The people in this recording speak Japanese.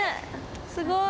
すごい。